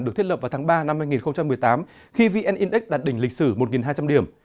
được thiết lập vào tháng ba năm hai nghìn một mươi tám khi vn index đạt đỉnh lịch sử một hai trăm linh điểm